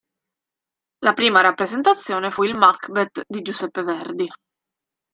La prima rappresentazione fu il Macbeth di Giuseppe Verdi.